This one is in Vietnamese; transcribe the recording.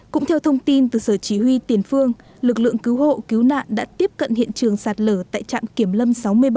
cũng theo thông tin từ sở chỉ huy tiền phương lực lượng cứu hộ cứu nạn đã tiếp cận hiện trường sạt lở tại trạm kiểm lâm sáu mươi bảy